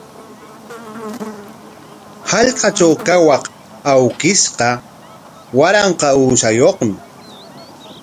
Hallqatraw kawaq awkishqa waranqa uushayuqmi.